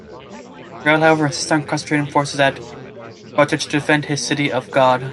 Riel, however, insisted on concentrating forces at Batoche to defend his "city of God".